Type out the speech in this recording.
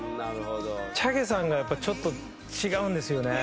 ＣＨＡＧＥさんがやっぱりちょっと違うんですよね。